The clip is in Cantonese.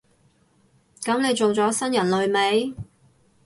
噉你做咗新人類未？